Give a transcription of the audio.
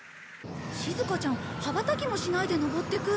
しずかちゃん羽ばたきもしないでのぼってく。